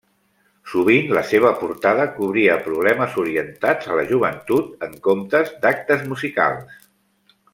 Sovint la seva portada cobria problemes orientats a la joventut en comptes d'actes musicals.